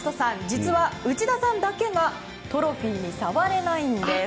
実は内田さんだけがトロフィーに触れないんです。